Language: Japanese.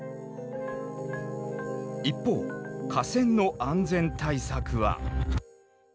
一方架線の安全対策は。